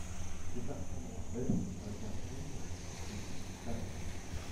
Ses performances baissent avec un fumble et douze tacles.